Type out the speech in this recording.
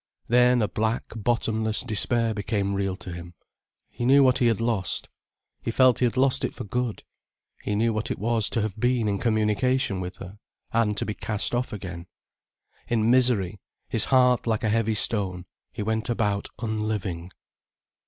Then a black, bottomless despair became real to him, he knew what he had lost. He felt he had lost it for good, he knew what it was to have been in communication with her, and to be cast off again. In misery, his heart like a heavy stone, he went about unliving.